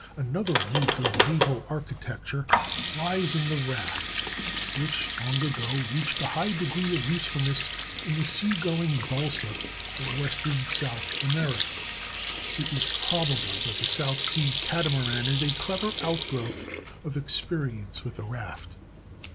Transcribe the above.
Another root of naval architecture lies in the raft, which long ago reached a high degree of usefulness in the sea going balsa of western South America. It is probable that the South Sea catamaran is a clever outgrowth of experience with a raft.